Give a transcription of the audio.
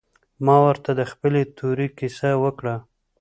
ما ورته د خپلې تورې کيسه وکړه.